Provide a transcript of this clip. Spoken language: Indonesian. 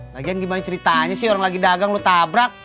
lagian gimana ceritanya sih orang lagi dagang lu tabrak